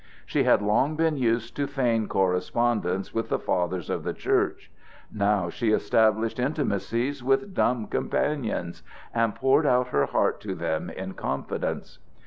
She had long been used to feign correspondences with the fathers of the Church; she now established intimacies with dumb companions, and poured out her heart to them in confidence.